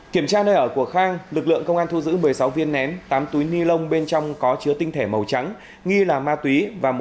kiểm tra nơi ở của khang lực lượng công an thu giữ một mươi sáu viên nén tám túi ni lông bên trong có chứa tinh thể màu trắng nghi là ma túy và một